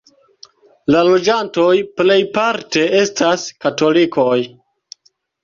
La loĝantoj plejparte estas katolikoj.